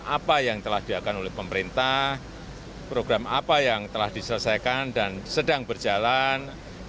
apa yang telah diakan oleh pemerintah program apa yang telah diselesaikan dan sedang berjalan